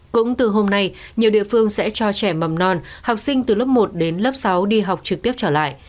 cũng từ hôm nay nhiều địa phương sẽ cho trẻ mầm non học sinh từ lớp một đến lớp sáu đi học trực tiếp trở lại